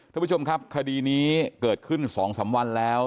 ท่านผู้ชมครับคดีนี้เกิดขึ้น๒๓วันแล้ว